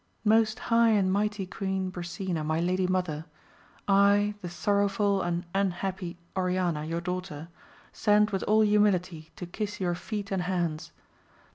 Most high and mighty Queen Brisena, my Lady Mother, I the sorrowful and unhappy Oriana, your daughter, send with all humility to kiss your feet and hands.